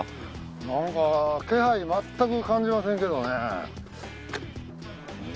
なんか気配まったく感じませんけどね。